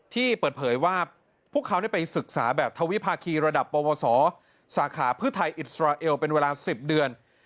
ที่เปิดเผยว่าพวกเขาได้ไปศึกษาแบบทวิพาคีระดับประวัติศาสตร์สาขาพฤทัยอิสราเอลเป็นเวลา๑๐เดือน